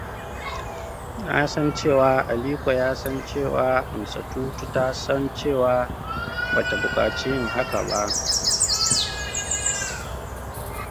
Nasan cewa Aliko yasan cewa Hamsatutu tasan cewa bata bukaci yin haka ba.